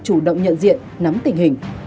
chủ động nhận diện nắm tình hình